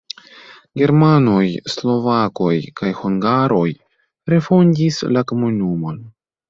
Germanoj, slovakoj kaj hungaroj refondis la komunumon.